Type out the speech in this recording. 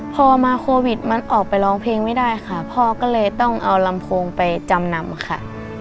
พอมาโควิดมันออกไปร้องเพลงไม่ได้ค่ะพ่อก็เลยต้องเอาลำโพงไปจำนำค่ะ